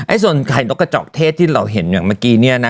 ส่วนไข่นกกระจอกเทศที่เราเห็นอย่างเมื่อกี้เนี่ยนะ